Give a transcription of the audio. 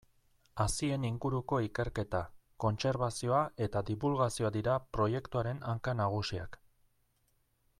Hazien inguruko ikerketa, kontserbazioa eta dibulgazioa dira proiektuaren hanka nagusiak.